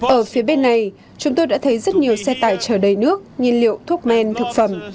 ở phía bên này chúng tôi đã thấy rất nhiều xe tải chở đầy nước nhiên liệu thuốc men thực phẩm